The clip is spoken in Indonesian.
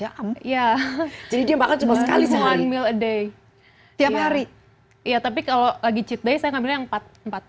tiap hari iya tapi kalau lagi cheat day saya ngambil yang empat jam nah delapan hari deng semen olympics di malaysia ada jambah acara juga terlalu berat enak sekali terus jerah sekaliel dari telinga dengan hai